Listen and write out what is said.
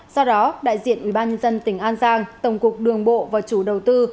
do đó đại diện ubnd tỉnh an giang tổng cục đường bộ và chủ đầu tư